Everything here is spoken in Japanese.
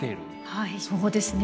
はいそうですね